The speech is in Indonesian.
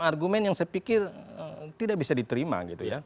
argumen yang saya pikir tidak bisa diterima gitu ya